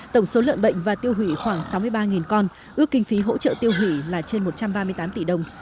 tổng số lợn bệnh và tiêu hủy khoảng sáu mươi ba con ước kinh phí hỗ trợ tiêu hủy là trên một trăm ba mươi tám tỷ đồng